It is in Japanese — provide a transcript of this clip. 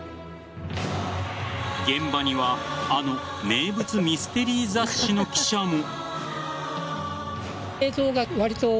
現場にはあの名物ミステリー雑誌の記者も。